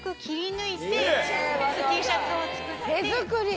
手作り！